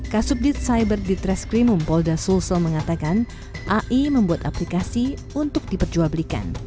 kasubdit cyber di treskrim mumpolda sulsel mengatakan ai membuat aplikasi untuk diperjual belikan